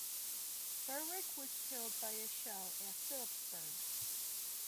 Berwick was killed by a shell at Philippsburg.